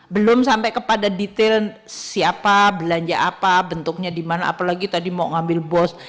belum sampai kepada detail siapa belanja apa bentuknya di mana apalagi tadi mau ngambil bos